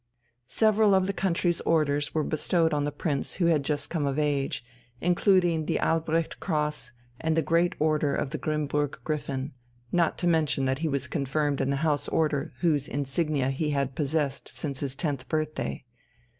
Several of the country's orders were bestowed on the Prince who had just come of age, including the Albrecht Cross and the Great Order of the Grimmburg Griffin, not to mention that he was confirmed in the House Order whose insignia he had possessed since his tenth birthday.